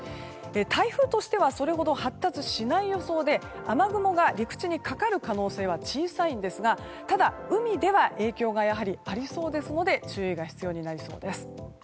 台風としてはそれほど発達しない予想で雨雲が陸地にかかる可能性は小さいんですがただ、海では影響がやはりありそうですので注意が必要になりそうです。